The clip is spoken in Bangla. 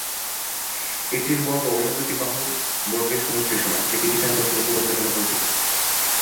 এটির বর্গ অন্য দুটি বাহুর বর্গের সমষ্টির সমান, যেটি পিথাগোরাসের উপপাদ্য নামে পরিচিত।